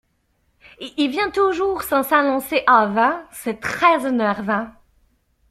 Il vient toujours sans s’annoncer avant, c’est très énervant.